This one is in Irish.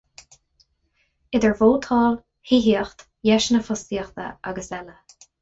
Idir vótáil, thithíocht, dheiseanna fostaíochta agus eile.